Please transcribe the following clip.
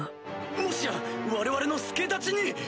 もしや我々の助太刀に？